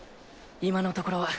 今のところは。